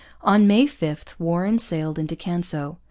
On May 5 Warren sailed into Canso.